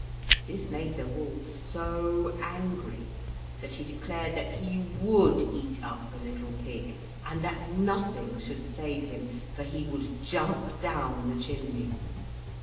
This made the wolf so angry that he declared that he would eat up the little pig, and that nothing should save him, for he would jump down the chimney.